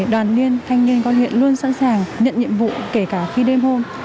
đoàn liên thanh niên công an huyện luôn sẵn sàng nhận nhiệm vụ kể cả khi đêm hôm